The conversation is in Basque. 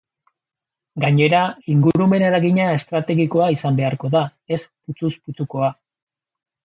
Gainera, ingurumen-eragina estrategikoa izan beharko da, ez putzuz putzukoa.